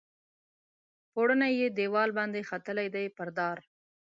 پوړونی یې دیوال باندې ختلي دي پر دار